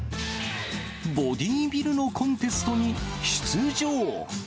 ボディービルのコンテストに出場。